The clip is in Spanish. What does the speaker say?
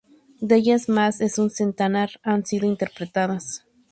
De ellas, más de un centenar han sido interpretadas.